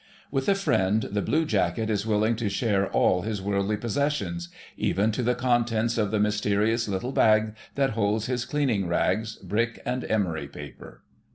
With a friend the blue jacket is willing to share all his worldly possessions—even to the contents of the mysterious little bag that holds his cleaning rags, brick, and emery paper.